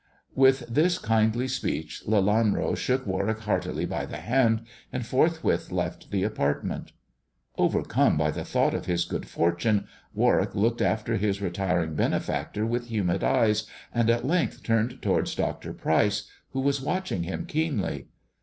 With this kindly speech Lelanro shook Warwick heartily by the hand, and forthwith left the apartment. Overcome by the thought of his good fortune, Warwick looked after his retiring benefactor with humid eyes, and at length turned towards Dr. Pryce, who was watching him keenly.